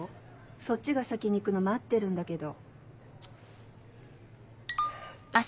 そっちが先に行くの待ってるんだけど。